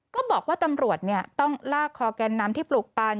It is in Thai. ก็บอกว่าตำรวจต้องลากคอแกนนำที่ปลูกปัน